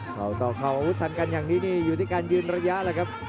เขาต่อเข่าอาวุธทันกันอย่างนี้นี่อยู่ที่การยืนระยะแล้วครับ